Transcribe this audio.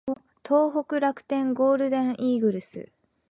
東北楽天ゴールデンイーグルス